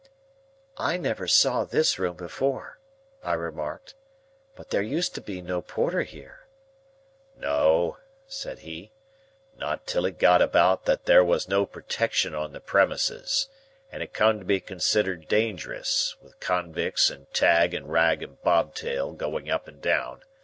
"I never saw this room before," I remarked; "but there used to be no Porter here." "No," said he; "not till it got about that there was no protection on the premises, and it come to be considered dangerous, with convicts and Tag and Rag and Bobtail going up and down.